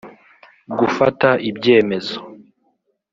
gufata ibyemezo